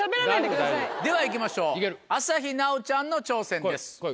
では行きましょう朝日奈央ちゃんの挑戦です。